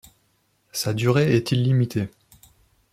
Sa durée est illimitée.